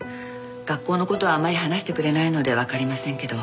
学校の事はあまり話してくれないのでわかりませんけど。